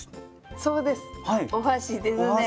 そうですお箸ですね。